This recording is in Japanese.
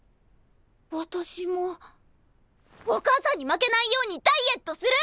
私もお母さんに負けないようにダイエットする！